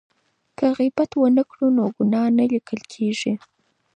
که غیبت ونه کړو نو ګناه نه لیکل کیږي.